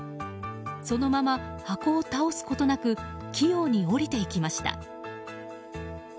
そのまま、箱を倒すことなく器用に降りていきました。